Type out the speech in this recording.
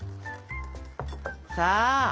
さあ！